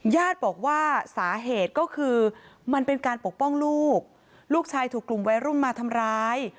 ญาติบอกว่าสาเหตุก็คือมันเป็นการปกป้องลูกลูกชายถูกกลุ่มวัยรุ่นมาทำร้าย